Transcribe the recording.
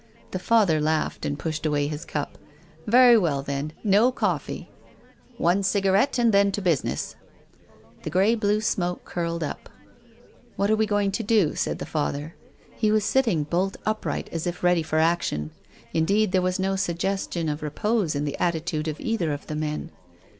The Father laughed and pushed away his cup. " Very well, then. No coffee." " One cigarette, and then to business." The grey blue smoke curled up. " What arc we going to do ?" said the Father. He was sitting bolt upright as if ready for action. Indeed there was no suggestion of repose in the attitudes of cither of the men.